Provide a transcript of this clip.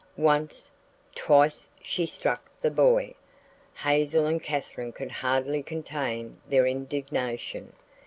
Once, twice she struck the boy. Hazel and Katherine could hardly contain their indignation.